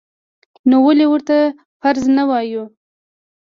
نو ولې ورته فرض نه وایو؟